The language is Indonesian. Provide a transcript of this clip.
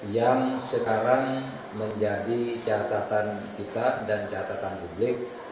yang sekarang menjadi catatan kita dan catatan publik